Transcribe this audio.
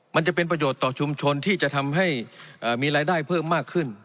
มันจะเป็นประโยชน์ต่อชุมชนที่จะทำให้มีรายได้เพิ่มมากขึ้น